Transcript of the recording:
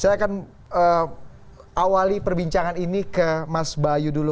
saya akan awali perbincangan ini ke mas bayu dulu